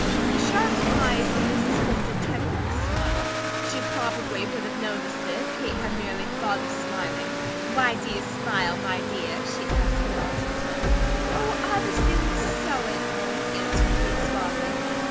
The sharp eyes of Mrs. Holt detected the smile. She probably would have noticed it, if Kate had merely thought of smiling. "Why do you smile, my dear?" she asked in melting tone. "Oh, I was feeling so at home," answered Kate, suavely.